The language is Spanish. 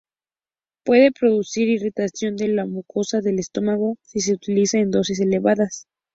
Puede producir irritación de la mucosa del estómago si se utiliza en dosis elevadas.